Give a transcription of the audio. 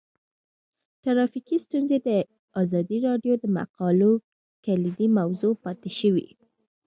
ټرافیکي ستونزې د ازادي راډیو د مقالو کلیدي موضوع پاتې شوی.